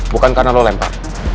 bukan karena lo lempar